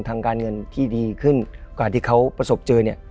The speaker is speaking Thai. ทางการเงินที่ดีขึ้นกว่าที่เขาประสบเจอเนี่ย